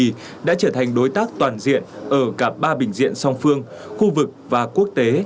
việt nam hoa kỳ đã trở thành đối tác toàn diện ở cả ba bình diện song phương khu vực và quốc tế